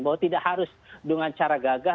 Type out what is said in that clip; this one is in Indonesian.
bahwa tidak harus dengan cara gagah